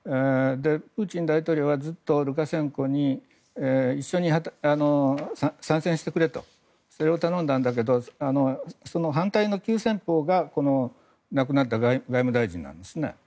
プーチン大統領はずっとルカシェンコに一緒に参戦してくれとそれを頼んだんだけど反対の急先鋒がこの亡くなった外務大臣なんですね。